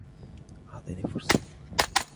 إعطني فُرصة.